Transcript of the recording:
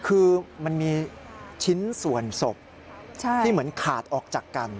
คือมันมีชิ้นส่วนศพที่เหมือนขาดออกจากกัน